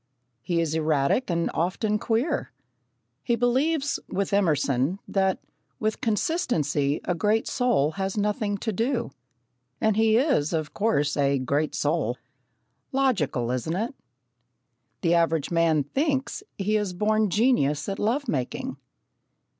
He is erratic and often queer. He believes, with Emerson, that "with consistency a great soul has nothing to do." And he is, of course, "a great soul." Logical, isn't it? The average man thinks that he is a born genius at love making.